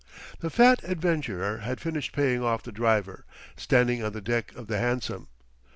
The fat adventurer had finished paying off the driver, standing on the deck of the hansom.